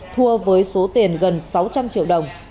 thua với số tiền gần sáu trăm linh triệu đồng